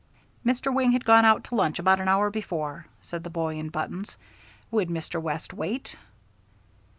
"Mr. Wing had gone out to lunch about an hour before," said the boy in buttons. "Would Mr. West wait?"